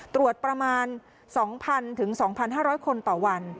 ตรวจประมาณ๒๐๐๒๕๐๐คนต่อวัน